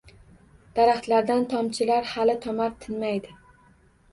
Daraxtlardan tomchilar hali tomar tinmaydi.